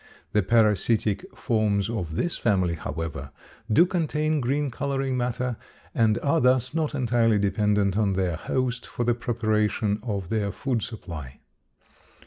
The parasitic forms of this family, however, do contain green coloring matter and are thus not entirely dependent on their host for the preparation of their food supply.